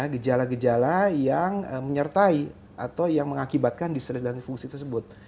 gejala gejala yang menyertai atau yang mengakibatkan distres dan fungsi tersebut